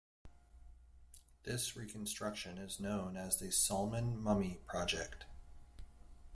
This reconstruction is known as the Sulman Mummy project.